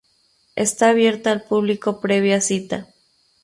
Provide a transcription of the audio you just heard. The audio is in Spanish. Está abierto al público previa cita.